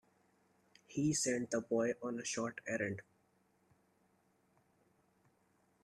He sent the boy on a short errand.